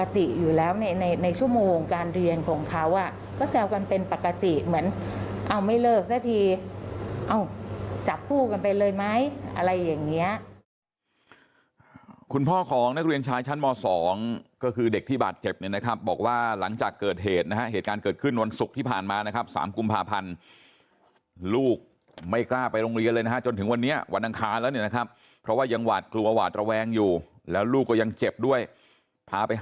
ตามประบวนการขั้นตอนต่อไป